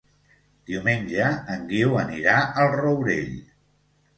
Diumenge en Guiu anirà al Rourell.